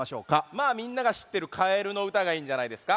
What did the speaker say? まあみんながしってる「かえるのうた」がいいんじゃないですか。